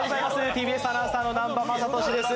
ＴＢＳアナウンサーの南波雅俊です。